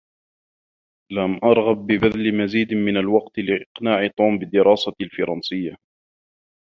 لم أرغب ببذل مزيد من الوقت لإقناع توم بدراسة الفرنسية.